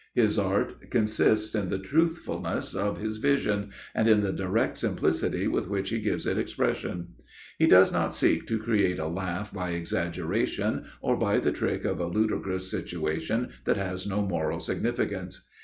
His art consists in the truthfulness of his vision and in the direct simplicity with which he gives it expression. He does not seek to create a laugh by exaggeration or by the trick of a ludicrous situation that has no moral significance.